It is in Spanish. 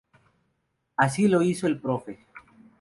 Así lo hizo el Prof.